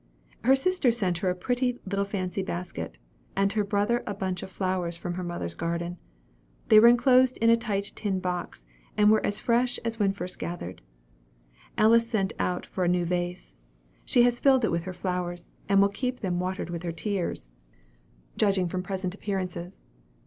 Her sister sent her a pretty little fancy basket, and her brother a bunch of flowers from her mother's garden. They were enclosed in a tight tin box, and were as fresh as when first gathered. Alice sent out for a new vase. She has filled it with her flowers, and will keep them watered with her tears, judging from present appearances.